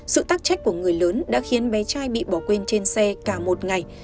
sự tác trách của người lớn đã khiến bé trai bị bỏ quên trên xe cả một ngày